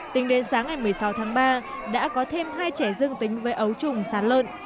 tính đến sáng ngày một mươi sáu tháng ba đã có thêm hai trẻ dương tính với ấu trùng sán lợn